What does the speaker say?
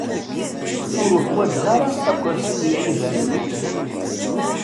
Ur uḥwaǧeɣ ara akersi n yiɛibanen.